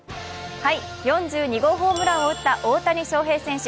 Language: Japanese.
４２号ホームランを打った大谷翔平選手